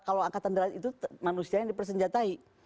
kalau angkatan darat itu manusia yang dipersenjatai